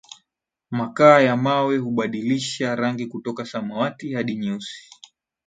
makaa ya mawe hubadilisha rangi kutoka samawati hadi nyeusi